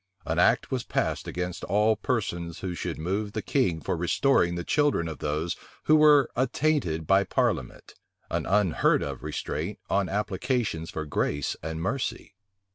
[*] An act was passed against all persons who should move the king for restoring the children of those who were attainted by parliament; an unheard of restraint on applications for grace and mercy.